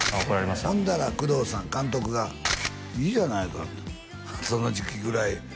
ほんだら工藤さん監督が「いいじゃないかその時期ぐらい」